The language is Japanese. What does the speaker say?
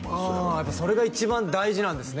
やっぱそれが一番大事なんですね